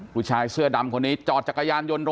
ผู้ชายเสื้อดำคนนี้จอดจักรยานยนต์